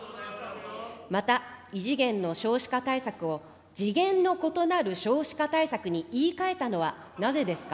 また、異次元の少子化対策を次元の異なる少子化対策に言い換えたのはなぜですか。